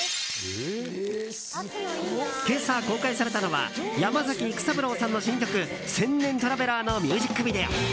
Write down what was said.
今朝、公開されたのは山崎育三郎さんの新曲「千年トラベラー」のミュージックビデオ。